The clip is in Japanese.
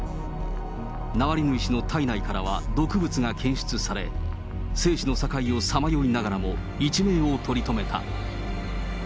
ナワリヌイ氏の体内からは毒物が検出され、生死の境をさまよいながらも一命を取り留めた。